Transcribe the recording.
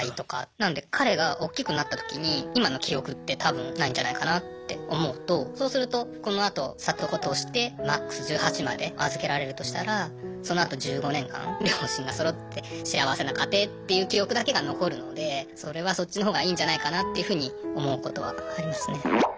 なので彼がおっきくなったときに今の記憶って多分ないんじゃないかなって思うとそうするとこのあと里子としてマックス１８まで預けられるとしたらそのあと１５年間両親がそろって幸せな家庭っていう記憶だけが残るのでそれはそっちのほうがいいんじゃないかなっていうふうに思うことはありますね。